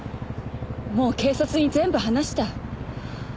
もう警察に全部話した。